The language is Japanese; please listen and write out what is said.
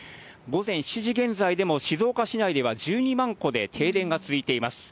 午前７時現在でも、静岡市内では１２万戸で停電が続いています。